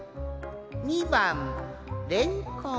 ２ばんレンコン。